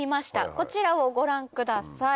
こちらをご覧ください。